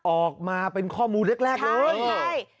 ออกมาเป็นข้อมูลแรกเลยใช่